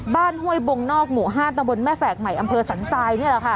บ้านห้วยบงนอกหมู่ห้าตำบลแม่แฝกใหม่อำเภอสังซัยเนี่ยแหละค่ะ